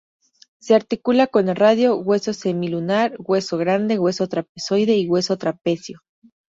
Se articula con el radio, hueso semilunar, hueso grande, hueso trapezoide y hueso trapecio.